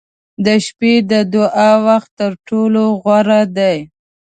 • د شپې د دعا وخت تر ټولو غوره دی.